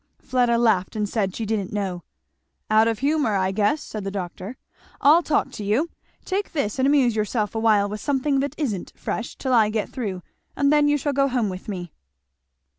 Fleda laughed and said she didn't know. "Out of humour, I guess," said the doctor. "I'll talk to you! Take this and amuse yourself awhile, with something that isn't fresh, till I get through, and then you shall go home with me."